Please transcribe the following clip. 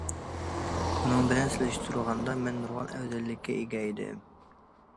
ئۇنىڭ بىلەن سېلىشتۇرغاندا مەن نۇرغۇن ئەۋزەللىككە ئىگە ئىدىم.